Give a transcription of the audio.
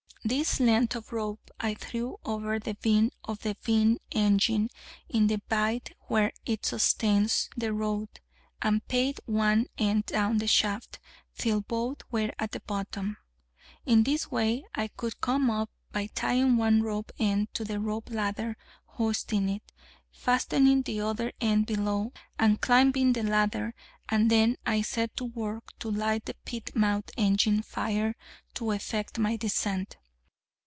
This length of rope I threw over the beam of the beam engine in the bite where it sustains the rod, and paid one end down the shaft, till both were at the bottom: in this way I could come up, by tying one rope end to the rope ladder, hoisting it, fastening the other end below, and climbing the ladder; and I then set to work to light the pit mouth engine fire to effect my descent.